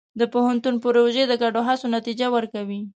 د پوهنتون پروژې د ګډو هڅو نتیجه ورکوي.